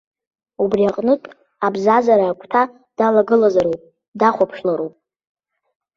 Убри аҟнытә, абзазара агәҭа далагылазароуп, дахәаԥшлароуп.